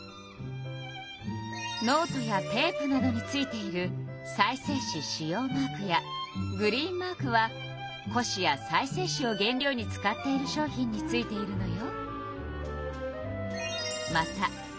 ノートやテープなどについている再生紙使用マークやグリーンマークは古紙や再生紙を原料に使っている商品についているのよ。